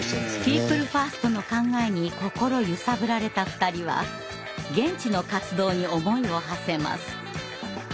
ピープルファーストの考えに心揺さぶられた２人は現地の活動に思いをはせます。